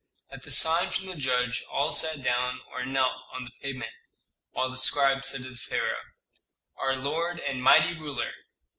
At a sign from the judge all sat down or knelt on the pavement, while the scribe said to the pharaoh, "Our lord and mighty ruler!